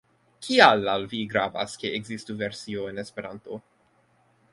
Kial laŭ vi gravas, ke ekzistu versio en Esperanto?